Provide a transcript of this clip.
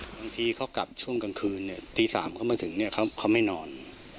บางทีเขากลับช่วงกลางคืนตี๓เขามาถึงเขาไม่นอน